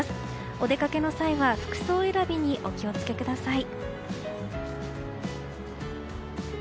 お出かけの際は服装選びにお気を付けください。